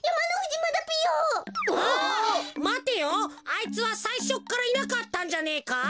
あいつはさいしょからいなかったんじゃねえか？